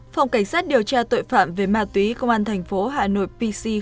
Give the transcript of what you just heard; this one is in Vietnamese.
phòng cảnh sát điều tra tội phạm về ma túy công an thành phố hà nội pc